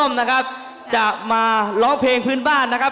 ไม่ต้องใส่ปากไม่ต้องใส่อะไรครับ